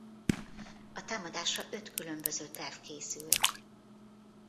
A támadásra öt különböző terv készült.